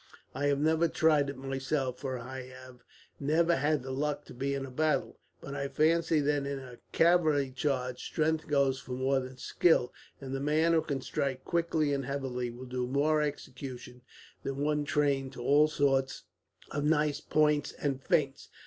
I have never tried it myself, for I have never had the luck to be in battle; but I fancy that in a cavalry charge strength goes for more than skill, and the man who can strike quickly and heavily will do more execution than one trained to all sorts of nice points and feints.